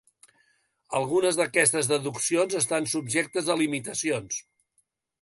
Algunes d'aquestes deduccions estan subjectes a limitacions.